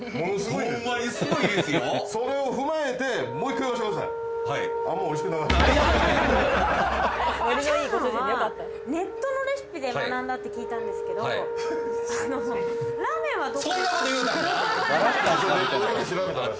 チャーハンはネットのレシピで学んだって聞いたんですけどそのラーメンはどこで。